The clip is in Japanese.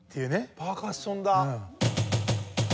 パーカッションだ。